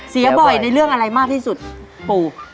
บ่อยในเรื่องอะไรมากที่สุดปู่